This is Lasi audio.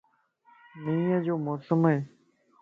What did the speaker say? مينھن جو موسم ائي